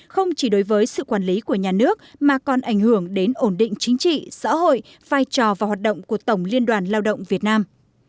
không chỉ đối với sự quản lý của nhà nước mà còn ảnh hưởng đến ổn định chính trị xã hội vai trò và hoạt động của tổng liên đoàn lao động việt nam